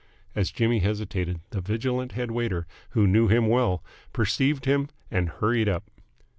As Jimmy hesitated, the vigilant head waiter, who knew him well, perceived him, and hurried up.